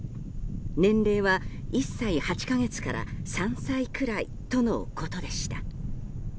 年齢は、１歳８か月から３歳くらいとのことでした。